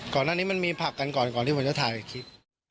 ก่อนหน้านี้มันมีผักกันก่อนก่อนที่ผมจะถ่ายคลิป